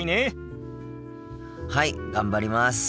はい頑張ります！